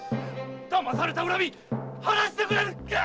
騙された恨み晴らしてくれる！